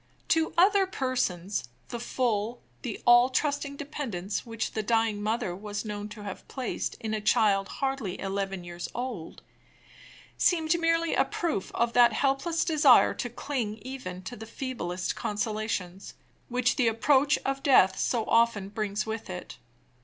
To other persons, the full, the all trusting dependence which the dying mother was known to have placed in a child hardly eleven years old, seemed merely a proof of that helpless desire to cling even to the feeblest consolations, which the approach of death so often brings with it.